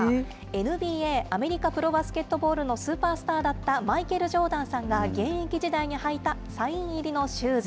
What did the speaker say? ＮＢＡ・アメリカプロバスケットボールのスーパースターだったマイケル・ジョーダンさんが現役時代に履いたサイン入りのシューズ。